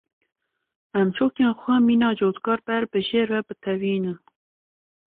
Em çokên xwe mîna cotkar ber bi jêr ve bitewînin.